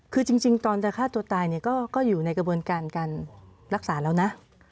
คือจริงตอนแต่ฆ่าตัวตายก็อยู่ในกระบวนการรักษาแล้วนะ